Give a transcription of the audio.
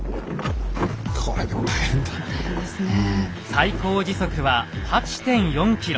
最高時速は８．４ｋｍ。